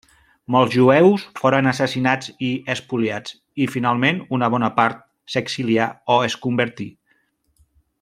Molts jueus foren assassinats i espoliats, i finalment una bona part s'exilià o es convertí.